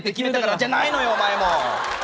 じゃないのよ、お前も。